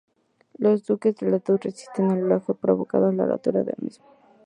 Los diques en talud resisten el oleaje provocando la rotura del mismo.